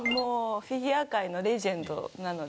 フィギュア界のレジェンドなので。